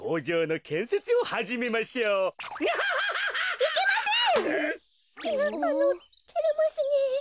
いやあのてれますねえ。